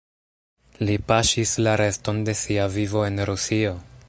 Li paŝis la reston de sia vivo en Rusio.